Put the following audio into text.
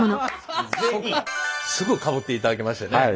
すぐかぶっていただきましてね。